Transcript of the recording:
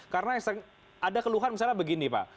karena ada keluhan misalnya begini pak